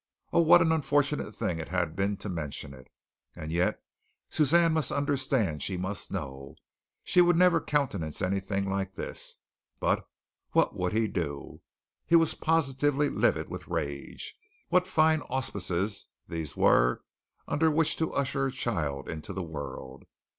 Oh, what an unfortunate thing it had been to mention it! And yet Suzanne must understand, she must know, she would never countenance anything like this. But what would he do? He was positively livid with rage. What fine auspices these were under which to usher a child into the world!